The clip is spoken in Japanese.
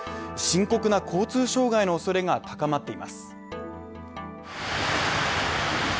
深刻な交通障害の恐れが高まっています。